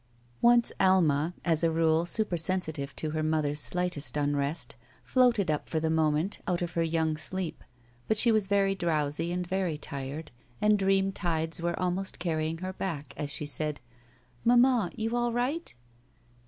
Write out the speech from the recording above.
Once Alma, as a rule supersensitive to her mother's slightest unrest, floated up for the moment out of her young sleep, but she was very drowsy and very tired, and dream tides were almost carrying her back as she said: "Mamma, you all right?"